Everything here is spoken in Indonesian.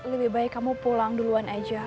lebih baik kamu pulang duluan aja